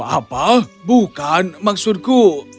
apa bukan maksudku